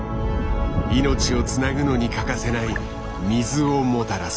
命をつなぐのに欠かせない水をもたらす。